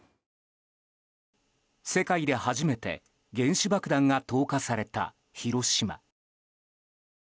世界で初めて原子爆弾が投下された広島。